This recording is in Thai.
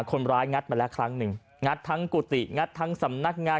งัดมาแล้วครั้งหนึ่งงัดทั้งกุฏิงัดทั้งสำนักงาน